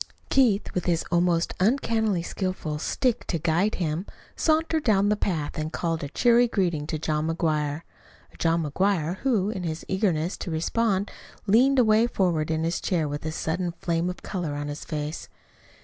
Keith, with his almost uncannily skillful stick to guide him, sauntered down the path and called a cheery greeting to John McGuire a John McGuire who, in his eagerness to respond, leaned away forward in his chair with a sudden flame of color in his face.